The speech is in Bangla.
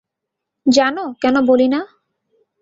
জানো কেন বলি না?